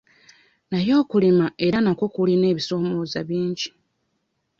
Naye okulima era nakwo kulina ebisoomoozo bingi.